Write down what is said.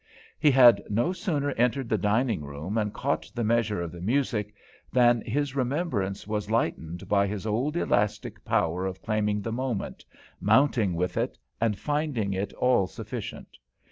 He had no sooner entered the dining room and caught the measure of the music, than his remembrance was lightened by his old elastic power of claiming the moment, mounting with it, and finding it all sufficient.